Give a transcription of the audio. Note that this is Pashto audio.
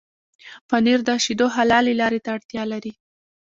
پنېر د شيدو حلالې لارې ته اړتيا لري.